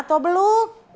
dan sebelum omongkong